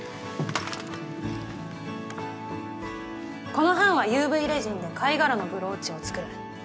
この班はＵＶレジンで貝殻のブローチを作る。